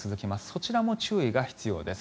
そちらも注意が必要です。